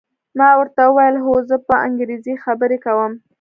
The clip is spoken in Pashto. ما ورته وویل: هو، زه په انګریزي خبرې کوم.